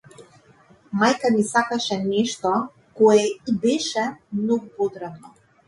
Мајка ми сакаше нешто кое ѝ беше многу потребно.